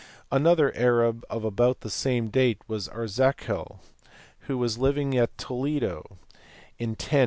Another Arab of about the same date was Arzachel*, who was living at Toledo in 1080.